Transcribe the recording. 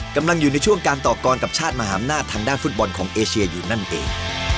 กำลังอยู่ในช่วงการต่อกรกับชาติมหาอำนาจทางด้านฟุตบอลของเอเชียอยู่นั่นเอง